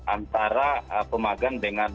antara pemagang dengan